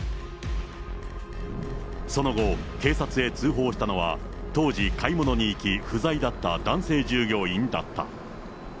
その後、警察へ通報したのは、当時、買い物に行き、不在だった男性従業員だった。